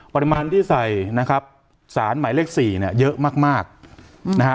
ปริมาณที่ใส่นะครับสารหมายเลขสี่เนี่ยเยอะมากมากนะฮะ